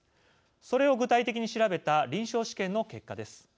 それを具体的に調べた臨床試験の結果です。